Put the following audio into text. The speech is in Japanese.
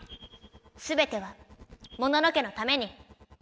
すべてはモノノ家のために！